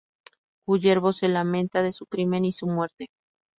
Kullervo se lamenta de su crimen y su muerte.